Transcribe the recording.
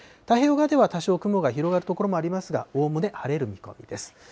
太平洋側では多少雲が広がる所もありますが、おおむね晴れる見込みです。